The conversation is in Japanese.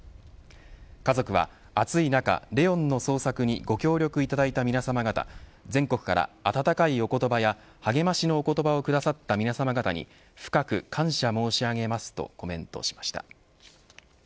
家族は、暑い中、怜音の捜索にご協力いただいた皆さま方全国から温かいお言葉や励ましのお言葉をくださった皆さまに深く感謝申し上げますとコメントしました。